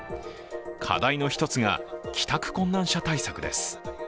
課題の１つが帰宅困難者対策です。